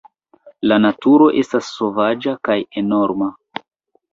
La naturo estas sovaĝa kaj enorma.